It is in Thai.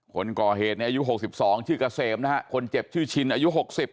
คนก่อเหตุในอายุ๖๒ชื่อเกษมนะฮะคนเจ็บชื่อชินอายุ๖๐